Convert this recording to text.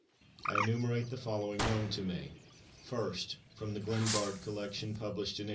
I enumerate the following known to me: first, from the Glenbard Collection, published in 1888.